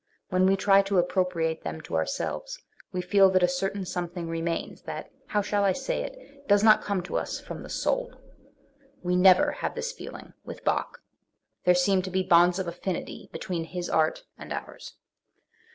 When we try to appropriate them to ourselves, we feel that a certain something remains that, how shall I say it? does not come to us from the soul. We never have this feeling with Bach; there seem to be bonds of affinity between his art and ours.